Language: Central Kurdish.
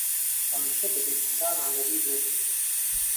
هەمیشە دەبێت خودامان لە بیر بێت!